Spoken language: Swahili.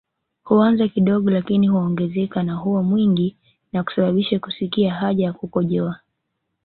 Huanza kidogo lakini huongezeka na huwa mwingi na kusababisha kusikia haja ya kukojoa